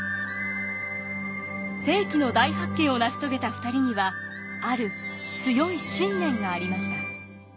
世紀の大発見を成し遂げた２人にはある強い信念がありました。